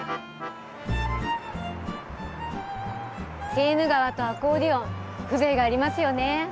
セーヌ川とアコーディオン風情がありますよね。